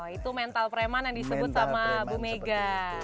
itu mental preman yang disebut sama bu mega